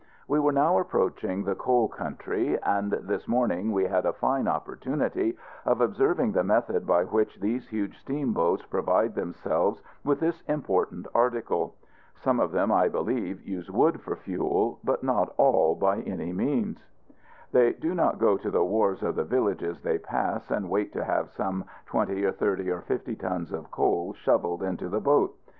We were now approaching the coal country; and this morning we had a fine opportunity of observing the method by which these huge steamboats provide themselves with this important article. Some of them, I believe, use wood for fuel; but not all, by any means. They do not go to the wharves of the villages they pass and wait to have some twenty, or thirty, or fifty tons of coal shoveled into the boat.